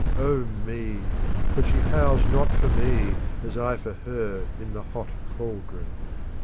Oh me, that she howls not for me as I for her in the hot caldron.